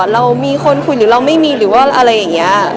เรามีคนคุยหรือเราไม่มีหรือว่าอะไรอย่างนี้